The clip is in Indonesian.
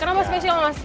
kenapa spesial mas